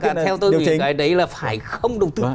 mà theo tôi nghĩ cái đấy là phải không đầu tư